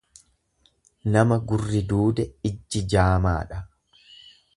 Nama gurri duude iįji jaamaadha.